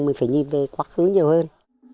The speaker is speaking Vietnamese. mình phải nhìn về quá khứ nhiều hơn